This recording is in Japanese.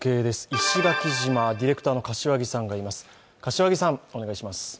石垣島、ディレクターの柏木さんがいます。